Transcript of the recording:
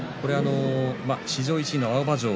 史上１位の青葉城。